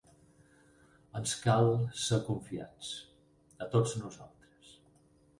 Ens cal ser confiats, a tots nosaltres.